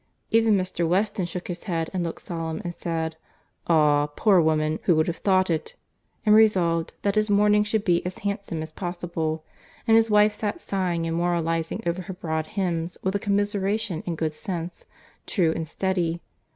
—Even Mr. Weston shook his head, and looked solemn, and said, "Ah! poor woman, who would have thought it!" and resolved, that his mourning should be as handsome as possible; and his wife sat sighing and moralising over her broad hems with a commiseration and good sense, true and steady.